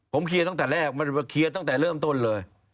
ผมเคลียร์ตั้งแต่แรกมันเคลียร์ตั้งแต่เริ่มต้นเลย